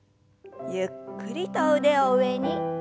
ゆっくりと腕を上に。